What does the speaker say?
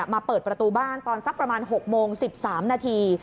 เปิดประตูบ้านตอนสักประมาณ๖โมง๑๓นาที